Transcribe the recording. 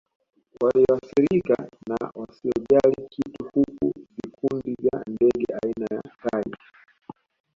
Walioathirika na wasiojali kitu huku vikundi vya ndege aina ya tai